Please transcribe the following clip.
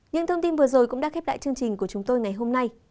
những thông tin vừa rồi cũng đã khép lại chương trình của chúng tôi ngày hôm nay